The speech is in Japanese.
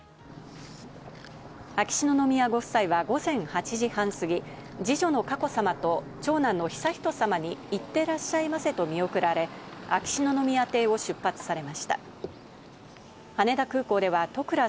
秋篠宮ご夫妻は午前８時半過ぎ、二女の佳子さまと長男の悠仁さまに行ってらっしゃいませと見送られ、秋篠宮邸を出発されました。